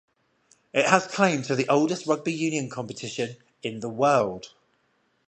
It has claim to the oldest rugby union competition in the world.